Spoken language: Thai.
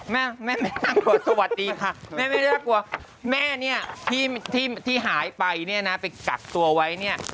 แม่แม่ไม่น่ากลัวสวัสดีค่ะแม่ไม่น่ากลัวแม่เนี่ยที่หายไปเนี่ยนะไปกักตัวไว้เนี่ย